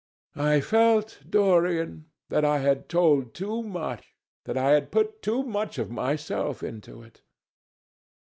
I felt, Dorian, that I had told too much, that I had put too much of myself into it.